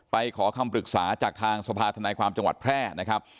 ขอคำปรึกษาจากทางสภาธนายความจังหวัดแพร่นะครับ